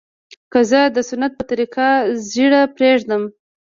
که زه د سنت په طريقه ږيره پرېږدم.